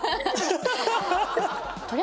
ハハハハ！